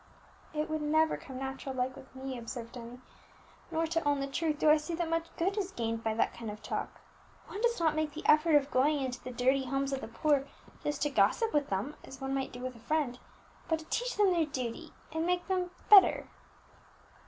"It would never come natural like with me," observed Emmie; "nor, to own the truth, do I see that much good is gained by that kind of talk. One does not make the effort of going into the dirty homes of the poor just to gossip with them, as one might do with a friend, but to teach them their duty and make them better."